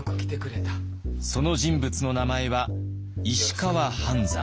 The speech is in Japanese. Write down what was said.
その人物の名前は石川半山。